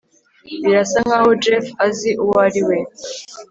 Birasa nkaho Jeff azi uwo ari we